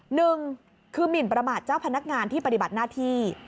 หนึ่งคือหมินประมาทเจ้าพนักงานที่ปฏิบัติหน้าที่